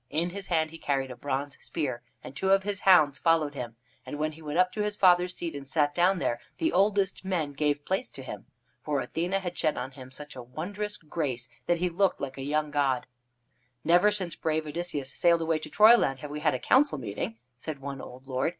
In his hand he carried a bronze spear, and two of his hounds followed him, and when he went up to his father's seat and sat down there, the oldest men gave place to him. For Athene had shed on him such a wondrous grace that he looked like a young god. "Never since brave Odysseus sailed away to Troyland have we had a council meeting," said one old lord.